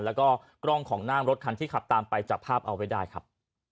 แล้วก็กล้องของหน้ารถคันที่ขับตามไปจับภาพเอาไว้ได้ครับ